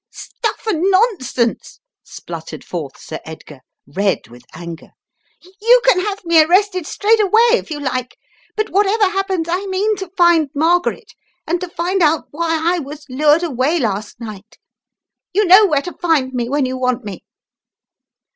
"Stuff and nonsense!" spluttered forth Sir Edgar, red with anger. "You can have me arrested straight away, if you like, but whatever happens, I mean to find Margaret, and to find out why I was lured away last night. You know where to find me when you want me."